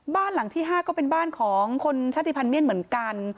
บ้านหลังที่๕ก็เป็นบ้านของคนชาติภัณฑ์เมียนเหมือนกัน